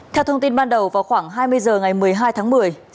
theo thông tin ban đầu vào khoảng hai mươi h ngày một mươi hai tháng một mươi